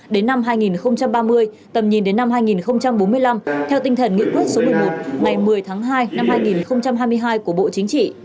đến năm hai nghìn ba mươi tầm nhìn đến năm hai nghìn bốn mươi năm theo tinh thần nghị quyết số một mươi một ngày một mươi tháng hai năm hai nghìn hai mươi hai của bộ chính trị